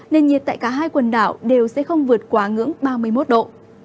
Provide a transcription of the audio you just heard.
nền nhiệt tại cả hai quần đảo đều sẽ không vượt quá ngưỡng ba mươi một độ